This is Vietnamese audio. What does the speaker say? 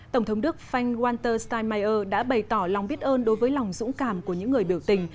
tổng thống đức frank walter steinmeier đã bày tỏ lòng biết ơn đối với lòng dũng cảm của những người biểu tình